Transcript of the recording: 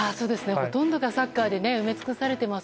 ほとんどサッカーで埋め尽くされてます